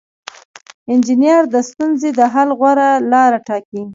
انجینر د ستونزې د حل غوره لاره ټاکي.